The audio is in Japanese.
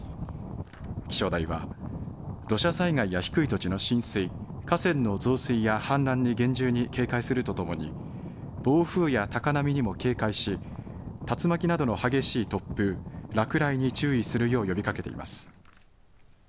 気象台は土砂災害や低い土地の浸水、河川の増水や氾濫に厳重に警戒するとともに暴風や高波にも警戒し竜巻などの激しい突風、落雷に注意するよう呼びかけています。